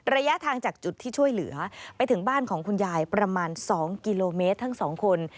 ระยะทางจากจุดที่ช่วยเหลือไปถึงบ้านของคุณยายประมาณ๒กิโลเมตรทั้งสองคน